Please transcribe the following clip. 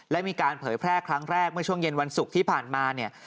และมีการเผยแพร่ครั้งแรกเมื่อช่วงเย็นวันศุกร์ที่ผ่านมาเนี่ย